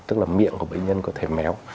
tức là miệng của bệnh nhân có thể méo